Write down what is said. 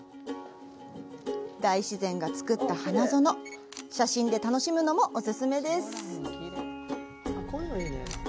大自然がつくった花園写真で楽しむのもお勧めです！